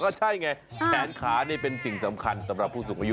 ก็ใช่ไงแขนขานี่เป็นสิ่งสำคัญสำหรับผู้สูงอายุ